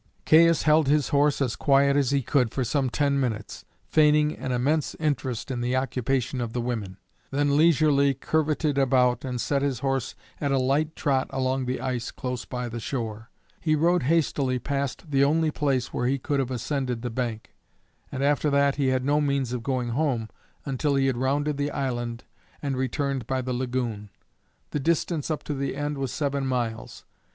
Caius held his horse as quiet as he could for some ten minutes, feigning an immense interest in the occupation of the women; then leisurely curvetted about, and set his horse at a light trot along the ice close by the shore. He rode hastily past the only place where he could have ascended the bank, and after that he had no means of going home until he had rounded the island and returned by the lagoon. The distance up to the end was seven miles.